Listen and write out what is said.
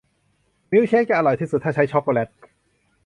มิลค์เชคจะอร่อยที่สุดถ้าใช้ช็อคโกแล็ต